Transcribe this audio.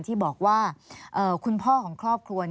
ที่บอกว่าคุณพ่อของครอบครัว